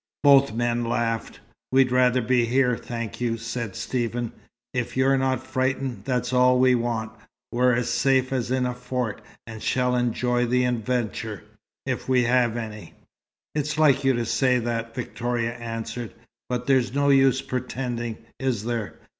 Both men laughed. "We'd rather be here, thank you," said Stephen. "If you're not frightened, that's all we want. We're as safe as in a fort, and shall enjoy the adventure, if we have any." "It's like you to say that," Victoria answered. "But there's no use pretending, is there?